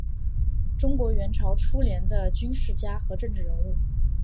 中国元朝初年的军事家和政治人物。